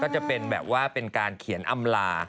ก็จะเป็นเป็นการเขียนอำลา